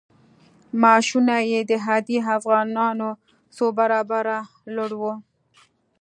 معاشونه یې د عادي افغانانو څو برابره لوړ وو.